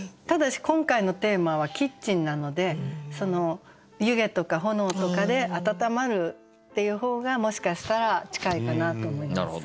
ただし今回のテーマは「キッチン」なので湯気とか炎とかで温まるっていう方がもしかしたら近いかなと思います。